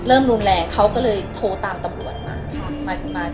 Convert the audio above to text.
เริ่มรุนแรงเขาก็เลยโทรตามตำรวจมา